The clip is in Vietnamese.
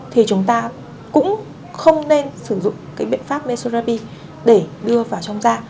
thì chúng ta cũng không nên sử dụng cái biện pháp menstrual therapy để đưa vào trong da